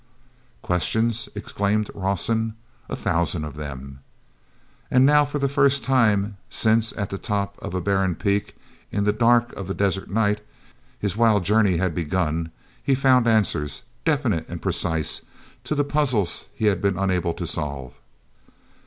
"Questions?" exclaimed Rawson. "A thousand of them." nd now for the first time since, at the top of a barren peak, in the dark of the desert night, his wild journey had begun, he found answers, definite and precise, to the puzzles he had been unable to solve.